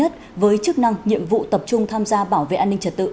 tập trung tham gia bảo vệ an ninh trật tự